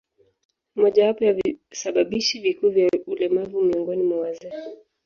Ni mojawapo ya visababishi vikuu vya ulemavu miongoni mwa wazee.